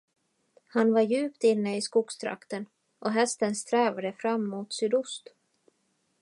Han var djupt inne i skogstrakten, och hästen strävade fram mot sydost.